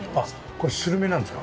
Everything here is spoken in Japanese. これスルメなんですか？